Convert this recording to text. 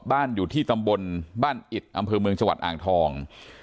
บ้านอยู่ที่ตำบลบ้านอิดอำเภอเมืองจังหวัดอ่างทอง